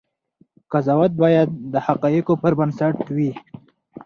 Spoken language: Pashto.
قضاوت باید د حقایقو پر بنسټ وي.